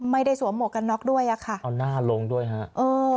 สวมหมวกกันน็อกด้วยอ่ะค่ะเอาหน้าลงด้วยฮะเออ